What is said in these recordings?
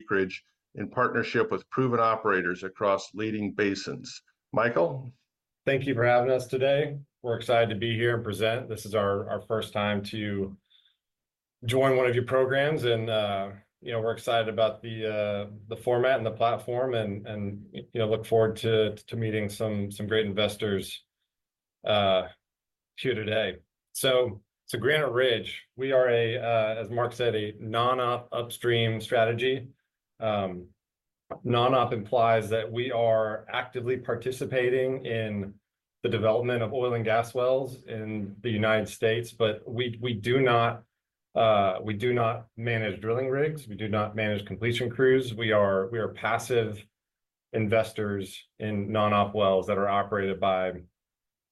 Acreage in partnership with proven operators across leading basins. Michael? Thank you for having us today. We're excited to be here and present. This is our first time to join one of your programs, and you know, we're excited about the format and the platform and you know, look forward to meeting some great investors here today. So Granite Ridge, we are a non-op upstream strategy, as Mark said. Non-op implies that we are actively participating in the development of oil and gas wells in the United States, but we do not manage drilling rigs. We do not manage completion crews. We are passive investors in non-op wells that are operated by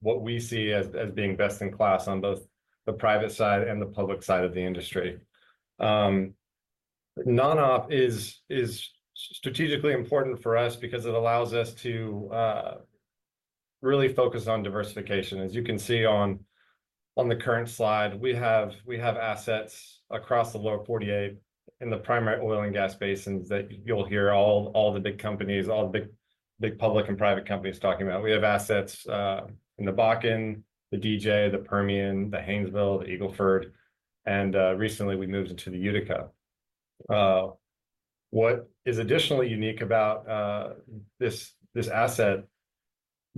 what we see as being best-in-class on both the private side and the public side of the industry. Non-op is strategically important for us because it allows us to really focus on diversification. As you can see on the current slide, we have assets across the Lower 48 in the primary oil and gas basins that you'll hear all the big companies, all the big public and private companies talking about. We have assets in the Bakken, the DJ, the Permian, the Haynesville, the Eagle Ford, and recently we moved into the Utica. What is additionally unique about this asset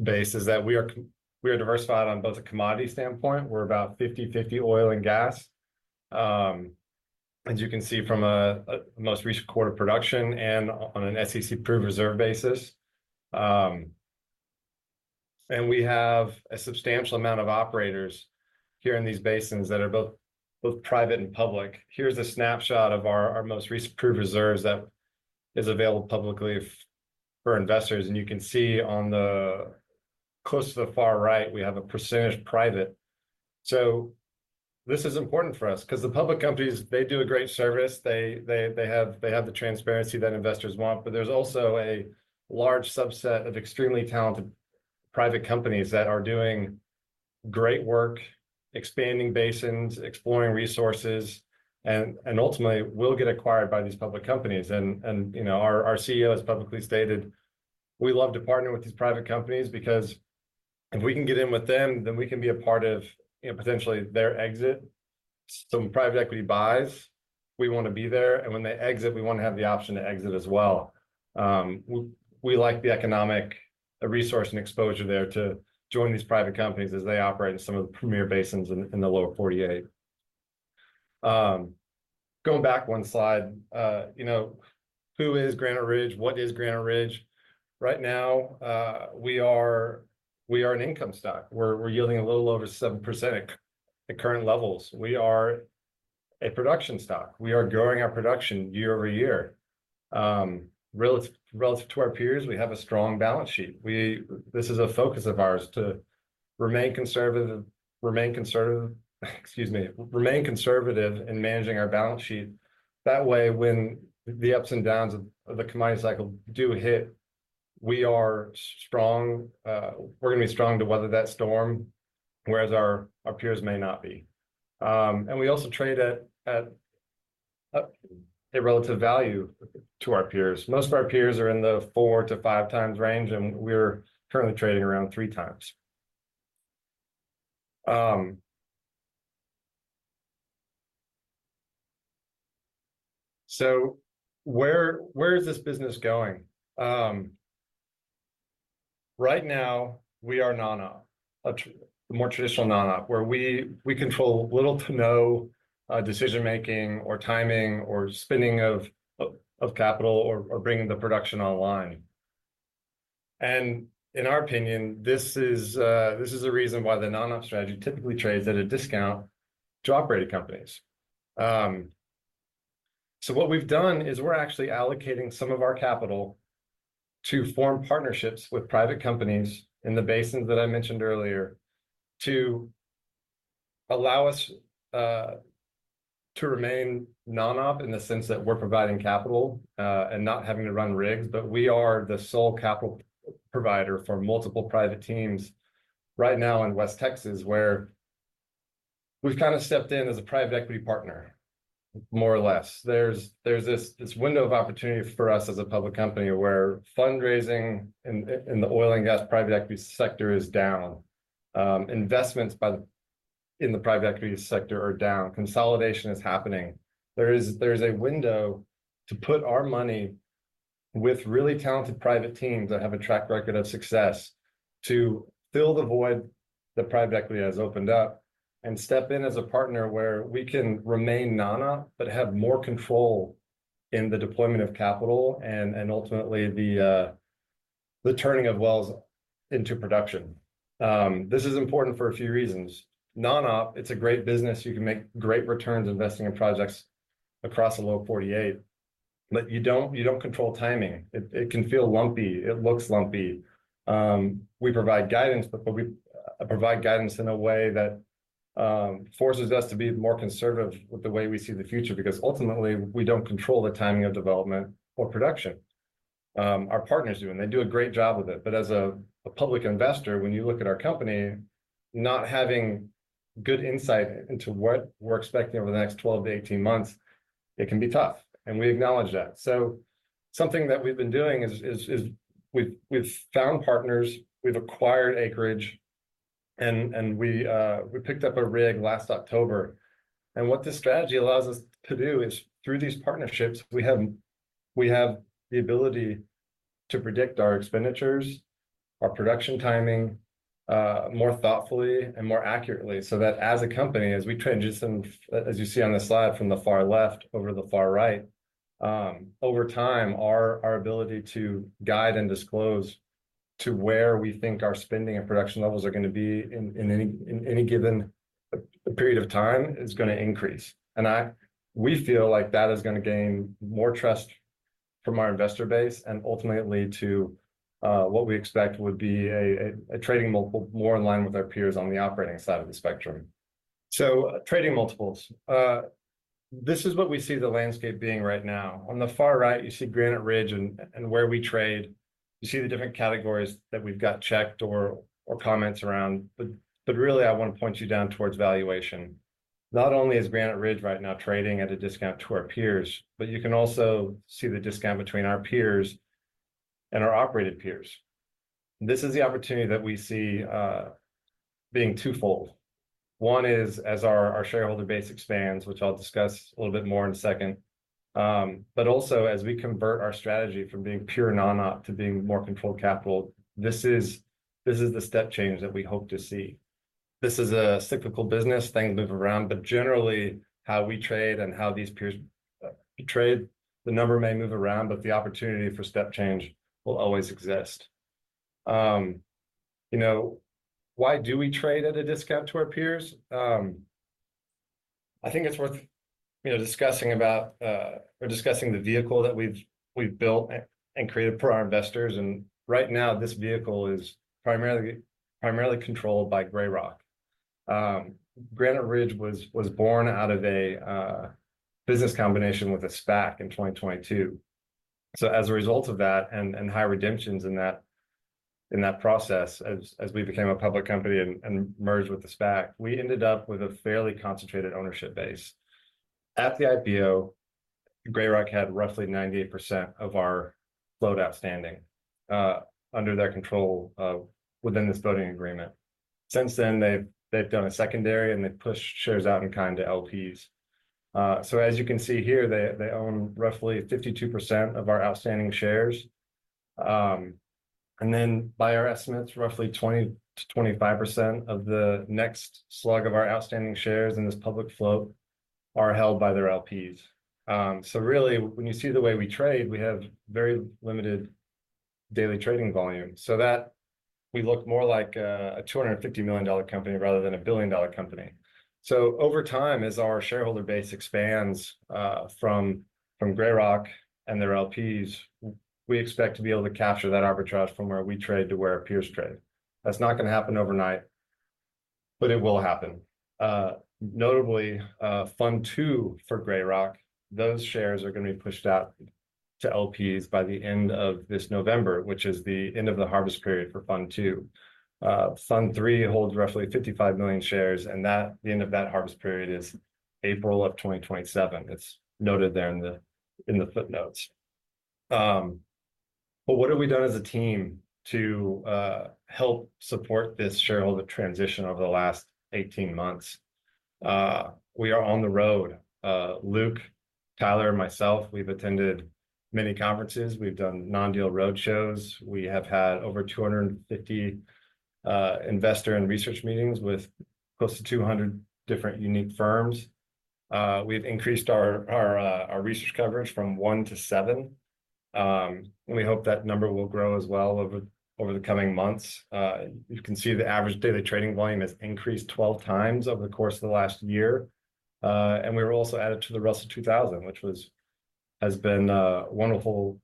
base is that we are diversified on both a commodity standpoint, we're about 50/50 oil and gas. As you can see from the most recent quarter production, and on an SEC proved reserve basis. And we have a substantial amount of operators here in these basins that are both private and public. Here's a snapshot of our most recent proved reserves that is available publicly for investors, and you can see, close to the far right, we have a percentage private. So this is important for us, 'cause the public companies, they do a great service, they have the transparency that investors want, but there's also a large subset of extremely talented private companies that are doing great work, expanding basins, exploring resources, and ultimately will get acquired by these public companies. And you know, our CEO has publicly stated, we love to partner with these private companies, because if we can get in with them, then we can be a part of, you know, potentially their exit. Some private equity buys, we wanna be there, and when they exit, we wanna have the option to exit as well. We like the economic resource and exposure there to join these private companies as they operate in some of the premier basins in the Lower 48. Going back one slide, you know, who is Granite Ridge? What is Granite Ridge? Right now, we are an income stock. We're yielding a little over 7% at current levels. We are a production stock. We are growing our production year over year. Relative to our peers, we have a strong balance sheet. This is a focus of ours, to remain conservative in managing our balance sheet. That way, when the ups and downs of the commodity cycle do hit, we are strong, we're gonna be strong to weather that storm, whereas our peers may not be. And we also trade at a relative value to our peers. Most of our peers are in the four to five times range, and we're currently trading around three times. So where is this business going? Right now, we are non-op, a more traditional non-op, where we control little to no decision-making or timing or spending of capital or bringing the production online. And in our opinion, this is the reason why the non-op strategy typically trades at a discount to operated companies. So what we've done is we're actually allocating some of our capital to form partnerships with private companies in the basins that I mentioned earlier, to allow us to remain non-op in the sense that we're providing capital and not having to run rigs, but we are the sole capital provider for multiple private teams right now in West Texas, where we've kinda stepped in as a private equity partner, more or less. There's this window of opportunity for us as a public company, where fundraising in the oil and gas private equity sector is down. Investments in the private equity sector are down. Consolidation is happening. There is a window to put our money with really talented private teams that have a track record of success, to fill the void that private equity has opened up, and step in as a partner where we can remain non-op, but have more control in the deployment of capital and ultimately, the turning of wells into production. This is important for a few reasons. Non-op, it's a great business. You can make great returns investing in projects across the Lower forty-eight, but you don't control timing. It can feel lumpy. It looks lumpy. We provide guidance, but we provide guidance in a way that forces us to be more conservative with the way we see the future, because ultimately, we don't control the timing of development or production. Our partners do, and they do a great job with it. But as a public investor, when you look at our company, not having good insight into what we're expecting over the next 12-18 months, it can be tough, and we acknowledge that. So something that we've been doing is we've found partners, we've acquired acreage, and we picked up a rig last October. And what this strategy allows us to do is, through these partnerships, we have the ability to predict our expenditures, our production timing more thoughtfully and more accurately. So that as a company, as we transition, as you see on the slide from the far left over to the far right, over time, our ability to guide and disclose to where we think our spending and production levels are gonna be in any given period of time, is gonna increase. We feel like that is gonna gain more trust from our investor base, and ultimately to what we expect would be a trading multiple more in line with our peers on the operating side of the spectrum. Trading multiples. This is what we see the landscape being right now. On the far right, you see Granite Ridge and where we trade. You see the different categories that we've got checked or comments around. But really I wanna point you down towards valuation. Not only is Granite Ridge right now trading at a discount to our peers, but you can also see the discount between our peers and our operated peers. This is the opportunity that we see being twofold. One is, as our shareholder base expands, which I'll discuss a little bit more in a second, but also, as we convert our strategy from being pure non-op to being more controlled capital, this is the step change that we hope to see. This is a cyclical business. Things move around, but generally, how we trade and how these peers trade, the number may move around, but the opportunity for step change will always exist. You know, why do we trade at a discount to our peers? I think it's worth, you know, discussing the vehicle that we've built and created for our investors. Right now, this vehicle is primarily controlled by Grey Rock. Granite Ridge was born out of a business combination with a SPAC in 2022. So as a result of that, and high redemptions in that process, as we became a public company and merged with the SPAC, we ended up with a fairly concentrated ownership base. At the IPO, Grey Rock had roughly 98% of our float outstanding under their control within this voting agreement. Since then, they've done a secondary, and they've pushed shares out in kind to LPs. So as you can see here, they own roughly 52% of our outstanding shares. And then by our estimates, roughly 20%-25% of the next slug of our outstanding shares in this public float are held by their LPs. So really, when you see the way we trade, we have very limited daily trading volume, so that we look more like a $250 million company rather than a $1 billion company. So over time, as our shareholder base expands from Grey Rock and their LPs, we expect to be able to capture that arbitrage from where we trade to where our peers trade. That's not gonna happen overnight, but it will happen. Notably, fund two for Grey Rock, those shares are gonna be pushed out to LPs by the end of this November, which is the end of the harvest period for fund two. Fund three holds roughly 55 million shares, and that, the end of that harvest period is April of 2027. It's noted there in the footnotes. But what have we done as a team to help support this shareholder transition over the last 18 months? We are on the road. Luke, Tyler, and myself, we've attended many conferences. We've done non-deal roadshows. We have had over 250 investor and research meetings with close to 200 different unique firms. We've increased our research coverage from 1 to 7, and we hope that number will grow as well over the coming months. You can see the average daily trading volume has increased 12 times over the course of the last year. And we were also added to the Russell 2000, which has been wonderful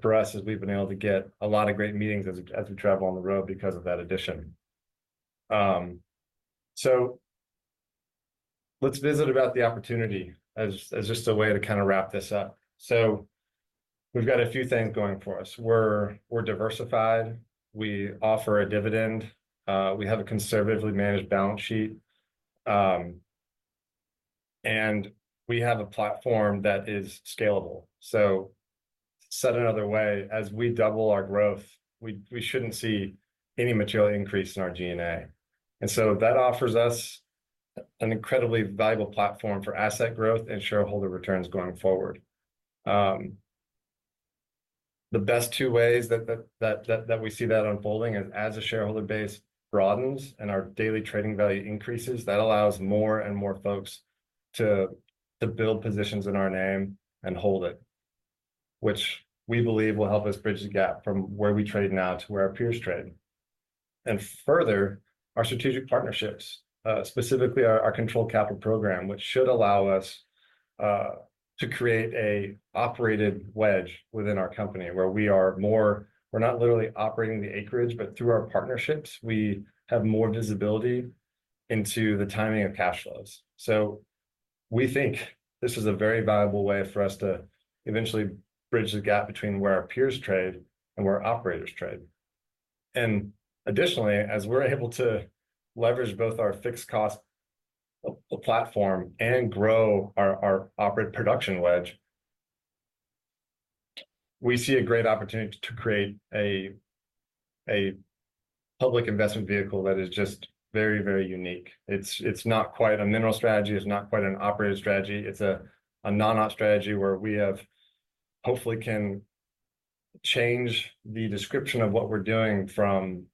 for us as we've been able to get a lot of great meetings as we travel on the road because of that addition. So let's visit about the opportunity, as just a way to kinda wrap this up. So we've got a few things going for us. We're diversified, we offer a dividend, we have a conservatively managed balance sheet, and we have a platform that is scalable. So said another way, as we double our growth, we shouldn't see any material increase in our G&A. And so that offers us an incredibly valuable platform for asset growth and shareholder returns going forward. The best two ways that we see that unfolding is, as the shareholder base broadens and our daily trading value increases, that allows more and more folks to build positions in our name and hold it, which we believe will help us bridge the gap from where we trade now to where our peers trade. And further, our strategic partnerships, specifically our controlled capital program, which should allow us to create a operated wedge within our company, where we are more. We're not literally operating the acreage, but through our partnerships, we have more visibility into the timing of cash flows. We think this is a very viable way for us to eventually bridge the gap between where our peers trade and where operators trade. Additionally, as we're able to leverage both our fixed cost platform and grow our production wedge, we see a great opportunity to create a public investment vehicle that is just very, very unique. It's not quite a mineral strategy, it's not quite an operator strategy, it's a non-op strategy where we hopefully can change the description of what we're doing from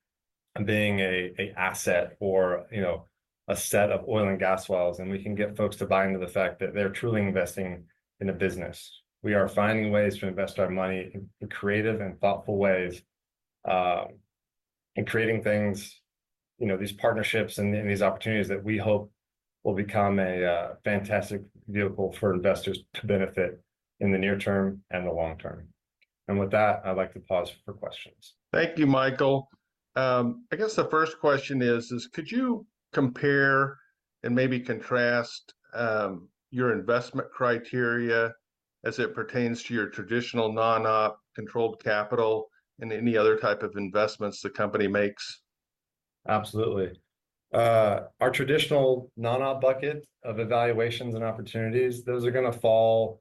being a asset or, you know, a set of oil and gas wells, and we can get folks to buy into the fact that they're truly investing in a business. We are finding ways to invest our money in creative and thoughtful ways, and creating things, you know, these partnerships and these opportunities that we hope will become a fantastic vehicle for investors to benefit in the near term and the long term. With that, I'd like to pause for questions. Thank you, Michael. I guess the first question is, could you compare and maybe contrast your investment criteria as it pertains to your traditional non-op, controlled capital, and any other type of investments the company makes? Absolutely. Our traditional non-op bucket of evaluations and opportunities, those are gonna fall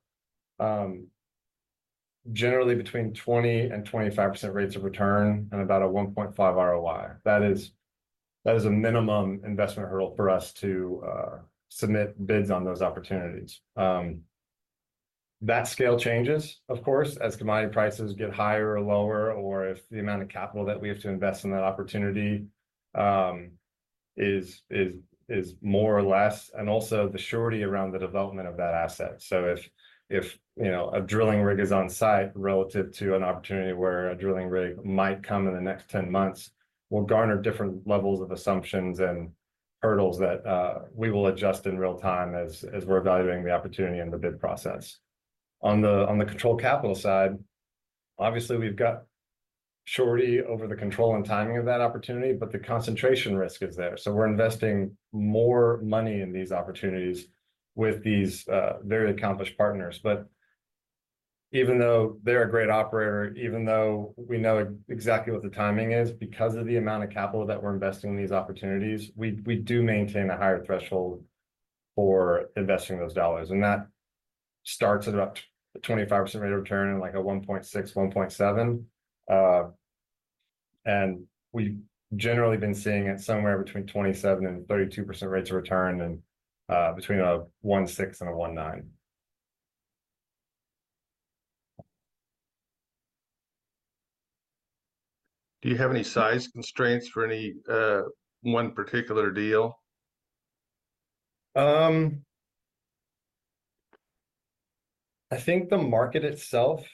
generally between 20%-25% rates of return, and about a 1.5 ROI. That is a minimum investment hurdle for us to submit bids on those opportunities. That scale changes, of course, as commodity prices get higher or lower, or if the amount of capital that we have to invest in that opportunity is more or less, and also the surety around the development of that asset. So if you know, a drilling rig is on site relative to an opportunity where a drilling rig might come in the next 10 months, will garner different levels of assumptions and hurdles that we will adjust in real time as we're evaluating the opportunity in the bid process. On the controlled capital side, obviously we've got surety over the control and timing of that opportunity, but the concentration risk is there. So we're investing more money in these opportunities with these very accomplished partners. But even though they're a great operator, even though we know exactly what the timing is, because of the amount of capital that we're investing in these opportunities, we do maintain a higher threshold for investing those dollars, and that starts at about a 25% rate of return and, like, a 1.6-1.7. And we've generally been seeing it somewhere between 27% and 32% rates of return, and between a 1.6 and 1.9. Do you have any size constraints for any one particular deal? I think the market itself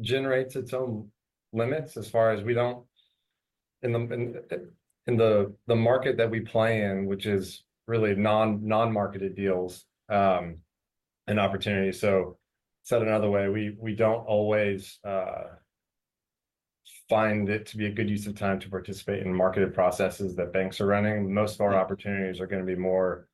generates its own limits as far as we don't. In the market that we play in, which is really non-marketed deals and opportunities. So said another way, we don't always find it to be a good use of time to participate in the marketed processes that banks are running. Most of our opportunities are gonna be more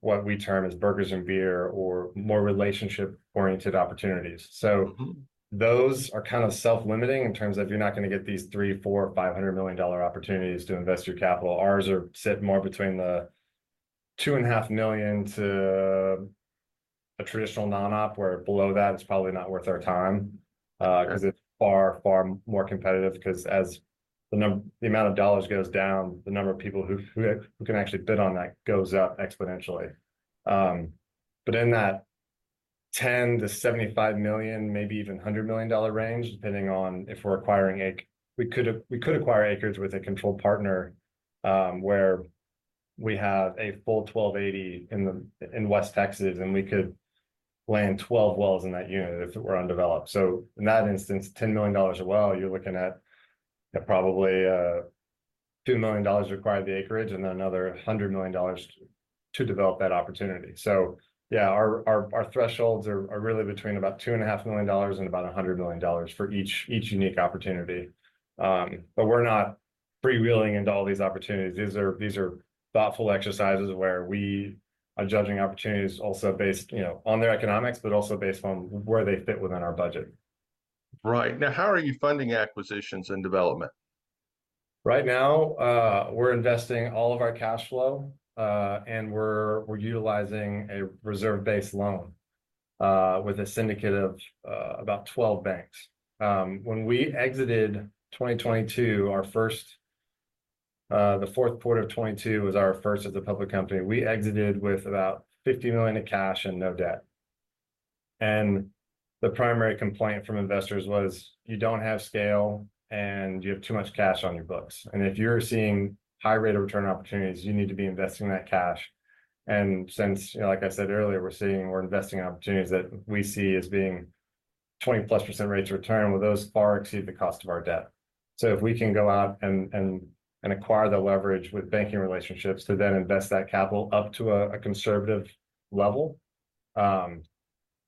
what we term as burgers and beer, or more relationship-oriented opportunities. Mm-hmm. So those are kind of self-limiting in terms of you're not gonna get these $300-$500 million opportunities to invest your capital. Ours are set more between $2.5 million to a traditional non-op, where below that, it's probably not worth our time. Right. 'Cause it's far, far more competitive, 'cause as the amount of dollars goes down, the number of people who can actually bid on that goes up exponentially. But in that $10-$75 million, maybe even $100 million dollar range, depending on if we're acquiring a. We could acquire acreage with a controlled partner, where we have a full 1,280 in West Texas, and we could land 12 wells in that unit if it were undeveloped. So in that instance, $10 million a well, you're looking at probably $2 million to acquire the acreage, and another $100 million to develop that opportunity. So yeah, our thresholds are really between about $2.5 million and about $100 million for each unique opportunity. But we're not freewheeling into all these opportunities. These are thoughtful exercises where we are judging opportunities also based, you know, on their economics, but also based on where they fit within our budget. Right. Now, how are you funding acquisitions and development? Right now, we're investing all of our cash flow, and we're utilizing a reserve-based loan with a syndicate of about 12 banks. When we exited 2022, the fourth quarter of 2022 was our first as a public company. We exited with about $50 million of cash and no debt, and the primary complaint from investors was: "You don't have scale, and you have too much cash on your books. And if you're seeing high rate of return opportunities, you need to be investing that cash." And since, you know, like I said earlier, we're seeing- we're investing in opportunities that we see as being 20-plus% rates of return, well, those far exceed the cost of our debt. So if we can go out and acquire the leverage with banking relationships to then invest that capital up to a conservative level,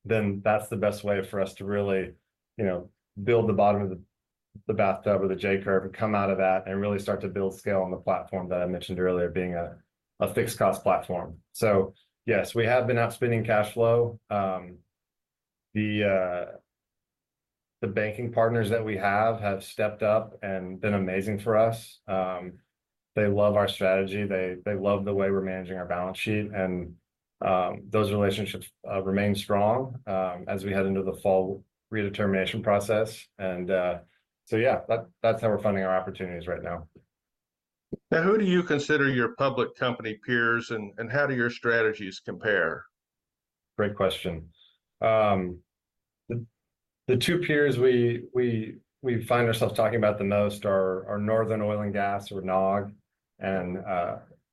then that's the best way for us to really, you know, build the bottom of the bathtub or the J-curve and come out of that and really start to build scale on the platform that I mentioned earlier, being a fixed-cost platform. So yes, we have been outspending cash flow. The banking partners that we have stepped up and been amazing for us. They love our strategy. They love the way we're managing our balance sheet, and those relationships remain strong as we head into the fall redetermination process. And so yeah, that's how we're funding our opportunities right now. Now, who do you consider your public company peers, and how do your strategies compare? Great question. The two peers we find ourselves talking about the most are Northern Oil and Gas, or NOG, and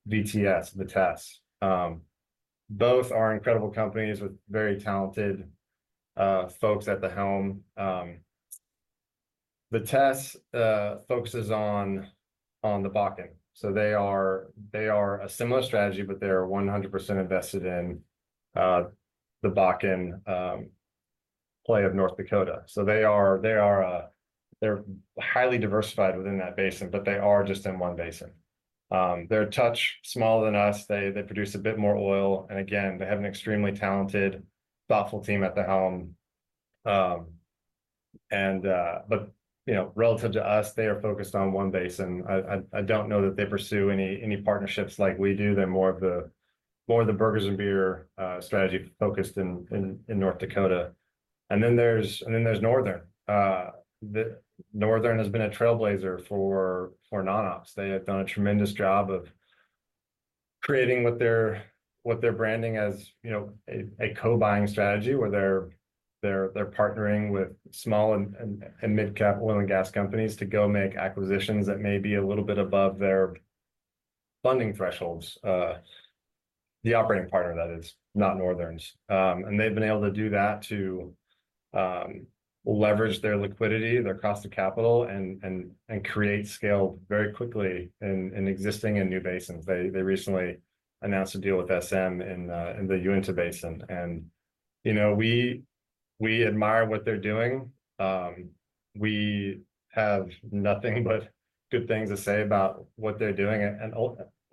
VTS, Vitesse. Both are incredible companies with very talented folks at the helm. Vitesse focuses on the Bakken, so they are a similar strategy, but they're 100% invested in the Bakken play of North Dakota. So they are... They're highly diversified within that basin, but they are just in one basin. They're a touch smaller than us. They produce a bit more oil, and again, they have an extremely talented, thoughtful team at the helm. But, you know, relative to us, they are focused on one basin. I don't know that they pursue any partnerships like we do. They're more of the burgers-and-beer strategy focused in North Dakota. And then there's Northern. The Northern has been a trailblazer for non-ops. They have done a tremendous job of creating what they're branding as, you know, a co-buying strategy, where they're partnering with small and mid-cap oil and gas companies to go make acquisitions that may be a little bit above their funding thresholds. The operating partner, that is, not Northern's. And they've been able to do that to leverage their liquidity, their cost of capital, and create scale very quickly in existing and new basins. They recently announced a deal with SM in the Uinta Basin. And, you know, we admire what they're doing. We have nothing but good things to say about what they're doing, and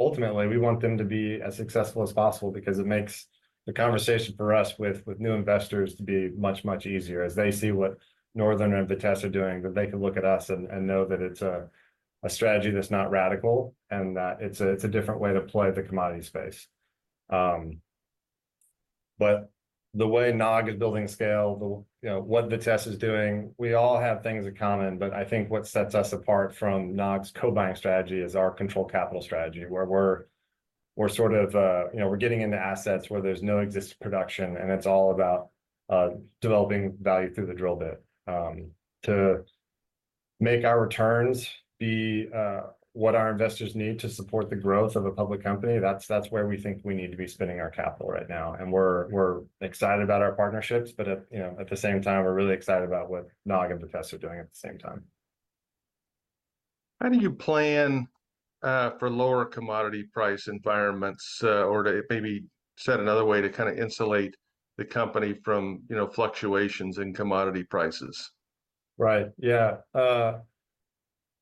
ultimately, we want them to be as successful as possible because it makes the conversation for us with new investors to be much, much easier. As they see what Northern and Vitesse are doing, that they can look at us and know that it's a strategy that's not radical, and that it's a different way to play the commodity space. But the way NOG is building scale, you know, what Vitesse is doing, we all have things in common, but I think what sets us apart from NOG's co-buying strategy is our controlled capital strategy, where we're sort of, you know, we're getting into assets where there's no existing production, and it's all about developing value through the drill bit. To make our returns be what our investors need to support the growth of a public company, that's where we think we need to be spending our capital right now, and we're excited about our partnerships, but you know, at the same time, we're really excited about what NOG and VTS are doing at the same time. How do you plan for lower commodity price environments, or to maybe said another way, to kinda insulate the company from, you know, fluctuations in commodity prices? Right, yeah.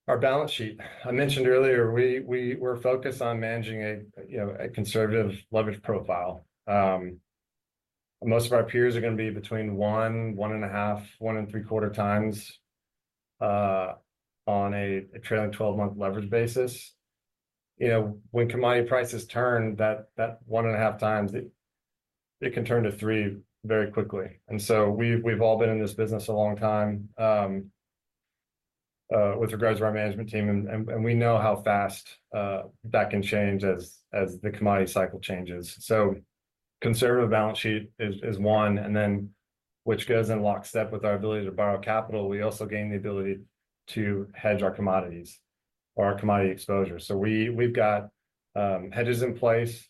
Our balance sheet, I mentioned earlier, we're focused on managing, you know, a conservative leverage profile. Most of our peers are gonna be between one, one and a half, one and three-quarter times on a trailing 12-month leverage basis. You know, when commodity prices turn, that one and a half times, it can turn to three very quickly. And so we've all been in this business a long time with regards to our management team, and we know how fast that can change as the commodity cycle changes. So conservative balance sheet is one, and then, which goes in lockstep with our ability to borrow capital, we also gain the ability to hedge our commodities or our commodity exposure. So we've got hedges in place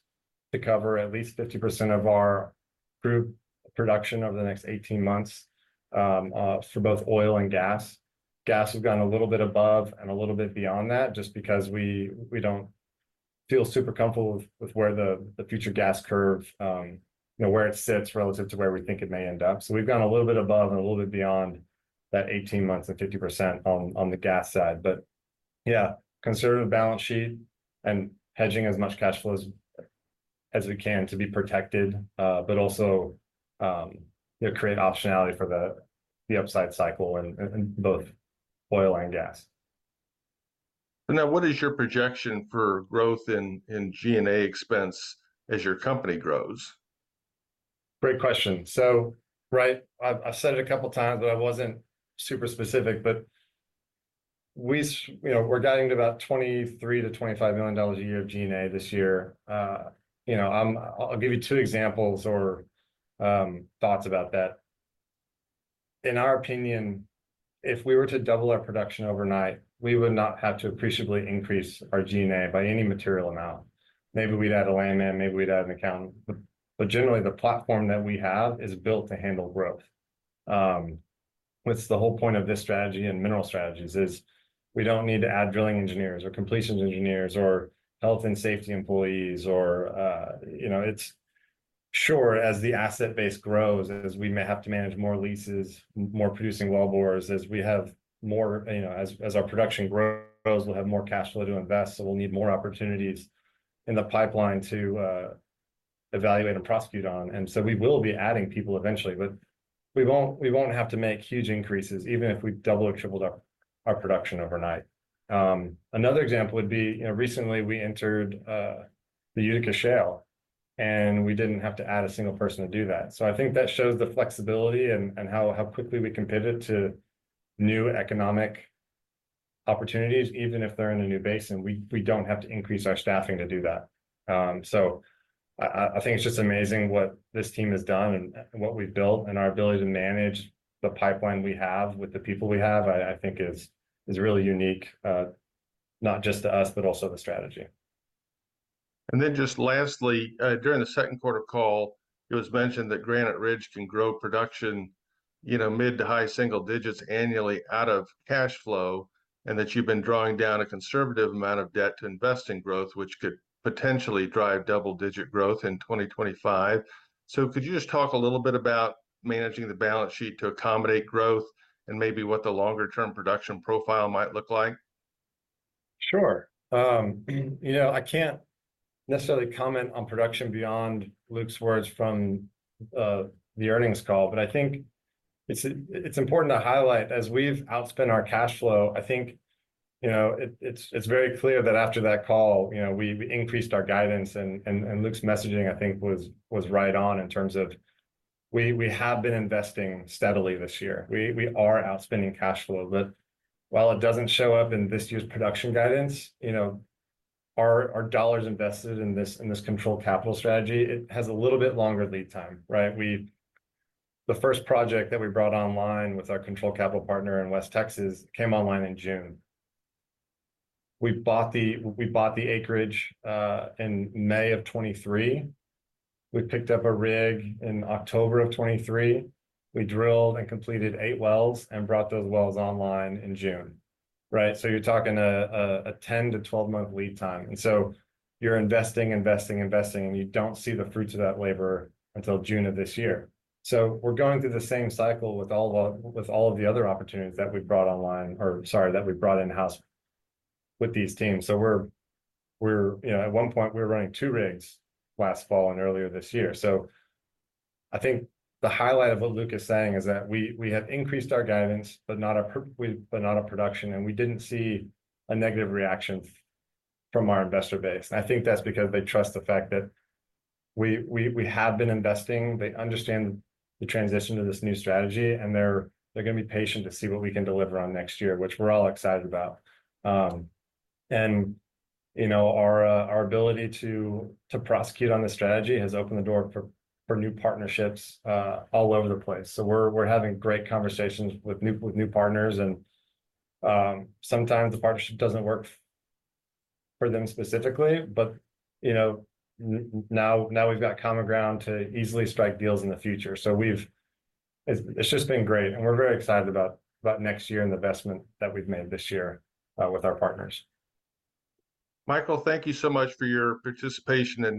to cover at least 50% of our group production over the next 18 months for both oil and gas. Gas has gone a little bit above and a little bit beyond that, just because we don't feel super comfortable with where the future gas curve, you know, where it sits relative to where we think it may end up. So we've gone a little bit above and a little bit beyond that 18 months and 50% on the gas side. But yeah, conservative balance sheet and hedging as much cash flow as we can to be protected, but also, you know, create optionality for the upside cycle in both oil and gas. Now, what is your projection for growth in G&A expense as your company grows? Great question. I've said it a couple times, but I wasn't super specific, but we, you know, we're guiding to about $23 million-$25 million a year of G&A this year. You know, I'll give you two examples or thoughts about that. In our opinion, if we were to double our production overnight, we would not have to appreciably increase our G&A by any material amount. Maybe we'd add a landman, maybe we'd add an accountant, but generally, the platform that we have is built to handle growth. What's the whole point of this strategy and mineral strategies is, we don't need to add drilling engineers or completion engineers or health and safety employees or. You know, Sure, as the asset base grows, as we may have to manage more leases, more producing wellbores, as we have more, you know, as our production grows, we'll have more cash flow to invest, so we'll need more opportunities in the pipeline to evaluate and prosecute on. And so we will be adding people eventually, but we won't, we won't have to make huge increases, even if we double or tripled our production overnight. Another example would be, you know, recently we entered the Utica Shale, and we didn't have to add a single person to do that. So I think that shows the flexibility and how quickly we can pivot to new economic opportunities, even if they're in a new basin. We don't have to increase our staffing to do that. So I think it's just amazing what this team has done and what we've built, and our ability to manage the pipeline we have with the people we have, I think, is really unique, not just to us, but also the strategy. And then just lastly, during the second quarter call, it was mentioned that Granite Ridge can grow production, you know, mid to high single digits annually out of cash flow, and that you've been drawing down a conservative amount of debt to invest in growth, which could potentially drive double-digit growth in 2025. So could you just talk a little bit about managing the balance sheet to accommodate growth, and maybe what the longer term production profile might look like? Sure. You know, I can't necessarily comment on production beyond Luke's words from the earnings call, but I think it's important to highlight, as we've outspent our cash flow, I think, you know, it's very clear that after that call, you know, we increased our guidance, and Luke's messaging, I think was right on in terms of we have been investing steadily this year. We are outspending cash flow, but while it doesn't show up in this year's production guidance, you know, our dollars invested in this controlled capital strategy, it has a little bit longer lead time, right? The first project that we brought online with our controlled capital partner in West Texas came online in June. We bought the acreage in May of 2023. We picked up a rig in October of 2023. We drilled and completed eight wells and brought those wells online in June, right? So you're talking a 10 to 12-month lead time, and so you're investing, and you don't see the fruits of that labor until June of this year. So we're going through the same cycle with all of the other opportunities that we've brought online, or sorry, that we've brought in-house with these teams. So we're... You know, at one point, we were running two rigs last fall and earlier this year. So I think the highlight of what Luke is saying is that we have increased our guidance, but not our per- but not our production, and we didn't see a negative reaction from our investor base. And I think that's because they trust the fact that we have been investing. They understand the transition to this new strategy, and they're gonna be patient to see what we can deliver on next year, which we're all excited about. And you know, our ability to prosecute on this strategy has opened the door for new partnerships all over the place. So we're having great conversations with new partners, and sometimes the partnership doesn't work for them specifically, but you know, now we've got common ground to easily strike deals in the future. So it's just been great, and we're very excited about next year and the investment that we've made this year with our partners. Michael, thank you so much for your participation and-